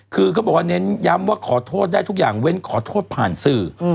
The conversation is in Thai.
คือเขาบอกว่าเน้นย้ำว่าขอโทษได้ทุกอย่างเว้นขอโทษผ่านสื่อ